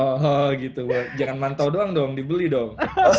oh gitu jangan mantau doang dong dibeli dong